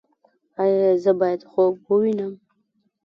ایا زه باید خوب ووینم؟